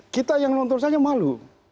kita yang nonton saja malu